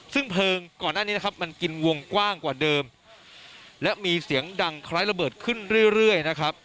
ซึ่งเผลิงก่อนหน้านี้กินวงกว้างกว่าเดิมและมีเสียงดังคร้ายระเบิดขึ้นเรื่อย